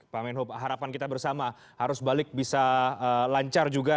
pak menhub harapan kita bersama harus balik bisa lancar juga